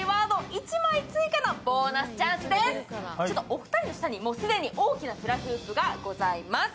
お二人の下に、もう既に大きなフラフープがございます。